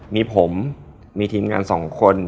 มีผมมีทีมงาน๒คน